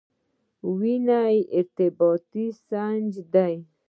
وینه یو ارتباطي نسج دی.